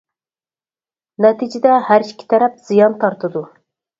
نەتىجىدە ھەر ئىككى تەرەپ زىيان تارتىدۇ.